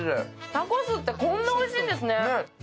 タコスってこんなおいしいんですね！